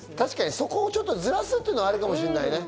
そこをずらすっていうのはあるかもしれないね。